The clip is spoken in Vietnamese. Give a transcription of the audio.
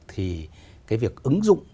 thì cái việc ứng dụng